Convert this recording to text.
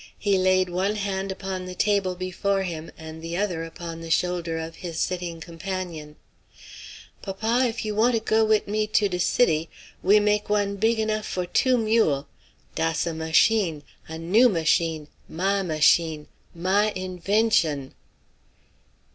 He laid one hand upon the table before him and the other upon the shoulder of his sitting companion: "Papa, if you want to go wid me to de city, we make one big enough for two mule'. Dass a mash in' a new mash in' my mash in' my invention!"